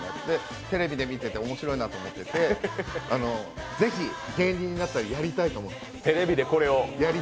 テレビで見てて面白いなと思っててぜひ芸人になったらやりたいと思って。